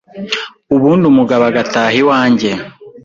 ubundi umugabo agataha iwanjye